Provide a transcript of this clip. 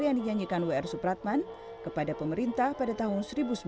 yang dinyanyikan w r supratman kepada pemerintah pada tahun seribu sembilan ratus lima puluh delapan